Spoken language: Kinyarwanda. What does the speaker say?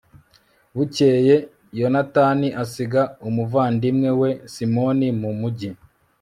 bukeye, yonatani asiga umuvandimwe we simoni mu mugi